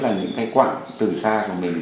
là những cái quặng từ xa của mình